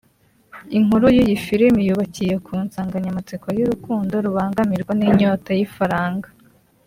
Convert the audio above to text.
Inkuru y’iyi filimi yubakiye ku nsanganyamatsiko y’urukundo rubangamirwa n’inyota y’ifaranga